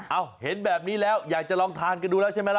เห็นแบบนี้แล้วอยากจะลองทานกันดูแล้วใช่ไหมล่ะ